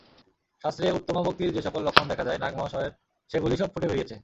শাস্ত্রে উত্তমা ভক্তির যে-সকল লক্ষণ দেখা যায়, নাগ-মহাশয়ের সেগুলি সব ফুটে বেরিয়েছে।